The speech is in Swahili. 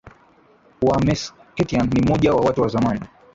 wa Meskhetian ni mmoja wa watu wa zamani